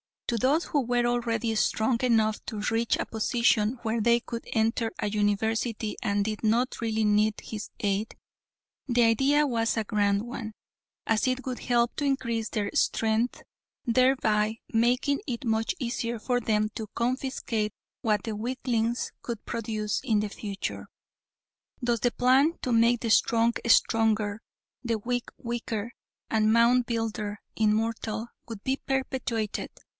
To those who were already strong enough to reach a position where they could enter a university and did not really need his aid, the idea was a grand one, as it would help to increase their strength, thereby making it much easier for them to confiscate what the weaklings could produce in the future. Thus the plan to make the strong stronger, the weak weaker, and Moundbuilder immortal, would be perpetuated.